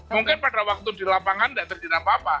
mungkin pada waktu di lapangan tidak terjadi apa apa